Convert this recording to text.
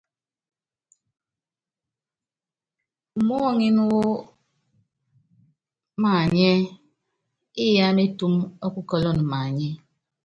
Umɔ́ɔ́ŋín wɔ́ maanyɛ́, Iyá métúm ɔ́ kukɔ́lɔn maanyɛ́.